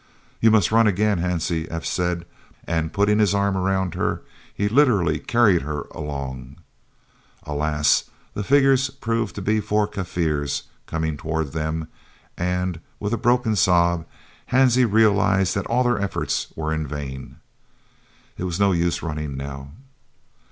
"You must run again, Hansie," F. said, and putting his arm around her, he literally carried her along. Alas! the figures proved to be four Kaffirs coming towards them, and, with a broken sob, Hansie realised that all their efforts were in vain. It was no use running now.